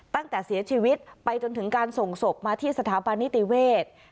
ตั้งแต่เสียชีวิตไปจนถึงการส่งศพมาที่สถาบันนิติเวศ